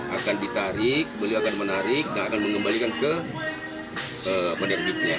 akan ditarik beliau akan menarik dan akan mengembalikan ke penerbitnya